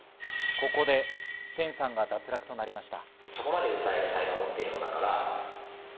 ここでテンさんが脱落となりました。